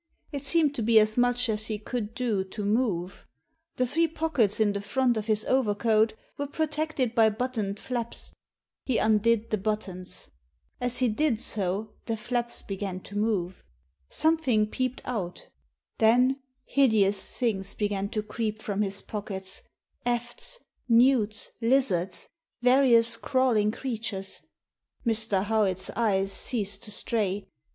It seemed to be as much as he could do to move. The three pockets in the front of his overcoat were protected by buttoned flaps. He undid the buttons. As he did so the flaps began to move. Something peeped out Then hideous things began to creep from his pockets— efts, newts, lizards, various crawling crea tures. Mr. Howitt's eyes ceased to stray.